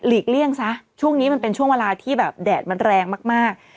เลี่ยงซะช่วงนี้มันเป็นช่วงเวลาที่แบบแดดมันแรงมาก